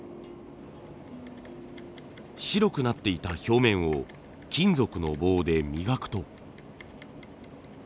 白くなっていた表面を金属の棒で磨くと。